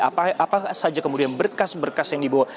apa saja kemudian berkas berkas yang dibawa